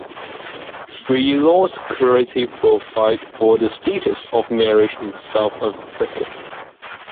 Three laws currently provide for the status of marriage in South Africa.